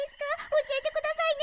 おしえてくださいね。